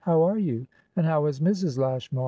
How are you? And how is Mrs. Lashmar?"